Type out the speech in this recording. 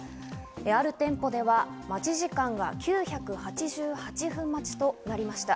ある店舗では待ち時間が９８８分待ちとなりました。